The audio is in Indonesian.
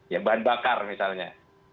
ya bahan bakar misalnya